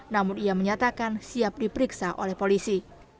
namun ia menyatakan siap diperiksa oleh polisi